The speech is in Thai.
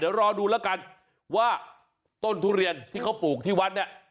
เดี๋ยวรอดูแล้วกันว่าต้นทุเรียนที่เขาปลูกที่วัดเนี่ย